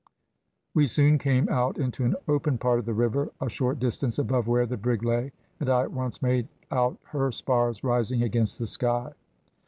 We soon came out into an open part of the river, a short distance above where the brig lay, and I at once made out her spars rising against the sky.